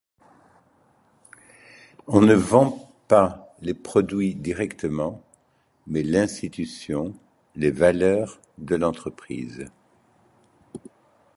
On ne vend pas les produits directement, mais l’institution, les valeurs de l’entreprise.